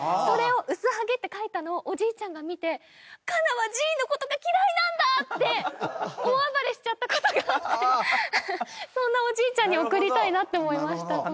それを薄ハゲって書いたのをおじいちゃんが見て「香奈はじいの事が嫌いなんだ！」って大暴れしちゃった事があってそんなおじいちゃんに贈りたいなって思いました。